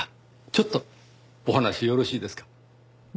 ちょっとお話よろしいですか？